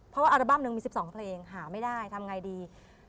เพราะว่าอัลบั้มหนึ่งมี๑๒เพลงหาไม่ได้ทำไงดี